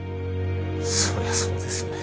そりゃそうですよね。